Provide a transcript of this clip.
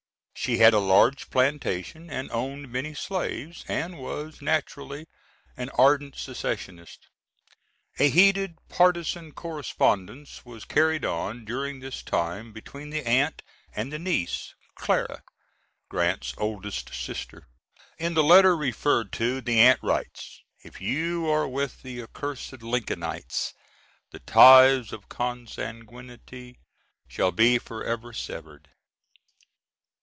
She had a large plantation and owned many slaves, and was naturally an ardent secessionist. A heated partisan correspondence was carried on during this time between the aunt and the niece Clara, Grant's oldest sister. In the letter referred to, the aunt writes, "If you are with the accursed Lincolnites, the ties of consanguinity shall be forever severed."